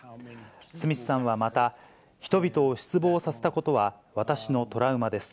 スミスさんはまた、人々を失望させたことは、私のトラウマです。